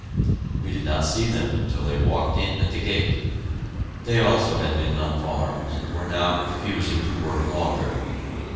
We did not see them until they walked in at the gate. They also had been on farms, and were now refusing to work longer.